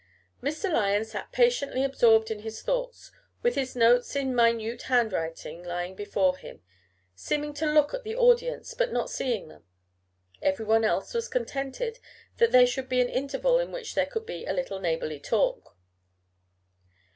Mr. Lyon sat patiently absorbed in his thoughts, with his notes in minute handwriting lying before him, seeming to look at the audience, but not seeing them. Every one else was contented that there should be an interval in which there could be a little neighborly talk.